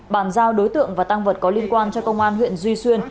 bàn giao đối tượng và tăng vật có liên quan cho công an huyện duy xuyên